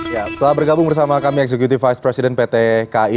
setelah bergabung bersama kami executive vice president pt kai